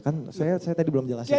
kan saya tadi belum jelasin